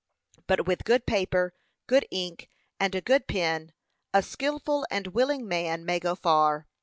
But with good paper, good ink, and a good pen, a skilful and willing man may go far.